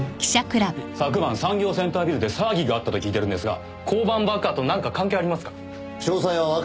昨晩産業センタービルで騒ぎがあったと聞いているんですが交番爆破となんか関係ありますか？